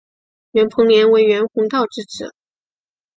袁彭年为袁宏道之子。